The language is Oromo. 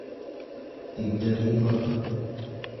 digdamii torba